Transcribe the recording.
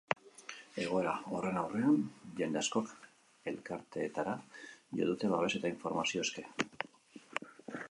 Egoera horren aurrean, jende askok elkarteetara jo dute babes eta informazio eske.